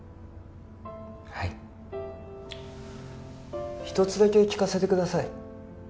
はい一つだけ聞かせてください